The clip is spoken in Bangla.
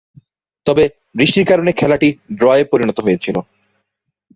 তবে, বৃষ্টির কারণে খেলাটি ড্রয়ে পরিণত হয়েছিল।